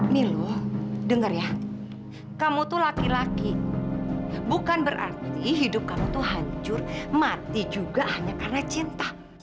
milu dengar ya kamu tuh laki laki bukan berarti hidup kamu tuh hancur mati juga hanya karena cinta